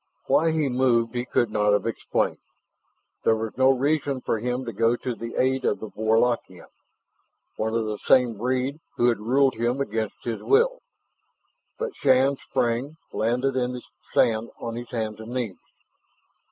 Why he moved he could not have explained. There was no reason for him to go to the aid of the Warlockian, one of the same breed who had ruled him against his will. But Shann sprang, landing in the sand on his hands and knees.